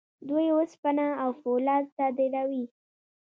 دوی وسپنه او فولاد صادروي.